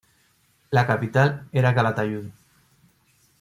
La capital era Calatayud.